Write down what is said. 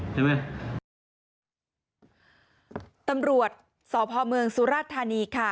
ใช่ไหมตำรวจสพเมืองสุราธานีค่ะ